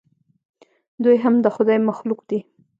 دوى هم د خداى مخلوق دي.